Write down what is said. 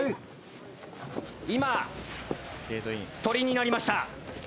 ・今鳥になりました。